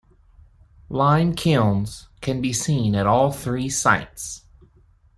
Lime kilns can be seen at all three sites.